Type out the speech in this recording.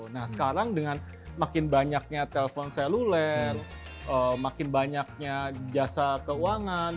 nah sekarang dengan makin banyaknya telpon seluler makin banyaknya jasa keuangan